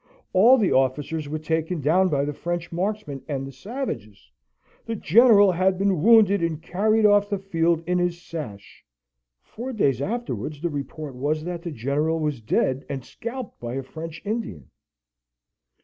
All the officers were taken down by the French marksmen and the savages. The General had been wounded, and carried off the field in his sash. Four days afterwards the report was that the General was dead, and scalped by a French Indian.